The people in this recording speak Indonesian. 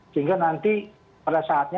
sehingga nanti pada saatnya